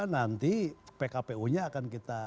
nanti pkpu nya akan kita